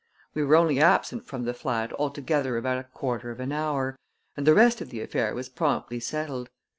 We were only absent from the flat altogether about a quarter of an hour, and the rest of the affair was promptly settled.